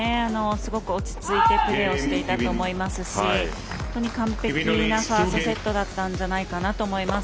すごく落ち着いてプレーをしていたと思いますし本当に完璧なファーストセットだったんじゃないかと思います。